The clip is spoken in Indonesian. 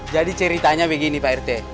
jadi ceritanya begini pak rt